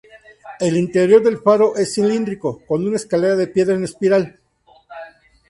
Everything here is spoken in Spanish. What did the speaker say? El interior del faro es cilíndrico, con una escalera de piedra en espiral.